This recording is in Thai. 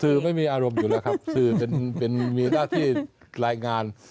ไม่มีอารมณ์อยู่แล้วครับสื่อเป็นมีหน้าที่รายงาน